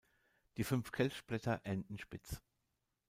Die fünf Kelchblätter enden spitz.